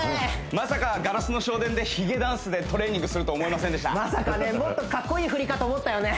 まさか「硝子の少年」でひげダンスでトレーニングすると思いませんでしたまさかねもっとカッコイイ振りかと思ったよね